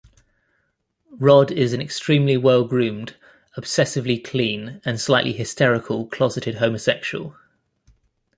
Rod is an extremely well-groomed, obsessively clean, and slightly hysterical closeted homosexual.